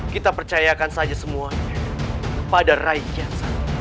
kita percayakan saja semuanya pada rai kian santang